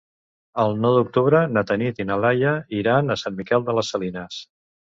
El nou d'octubre na Tanit i na Laia iran a Sant Miquel de les Salines.